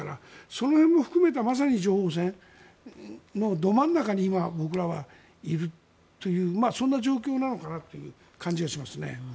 その辺も含めたまさに情報戦のど真ん中に今、僕らはいるというそんな状況なのかなという感じがしますね。